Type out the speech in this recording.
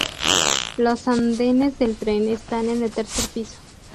Los andenes del tren están en el tercer piso.